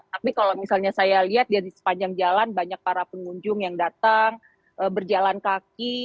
tapi kalau misalnya saya lihat di sepanjang jalan banyak para pengunjung yang datang berjalan kaki